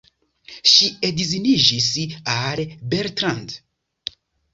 Ŝi edziniĝis al Bertrand.